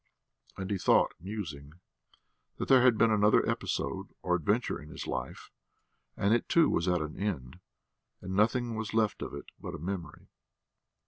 And he thought, musing, that there had been another episode or adventure in his life, and it, too, was at an end, and nothing was left of it but a memory....